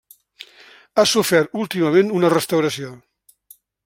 Ha sofert últimament una restauració.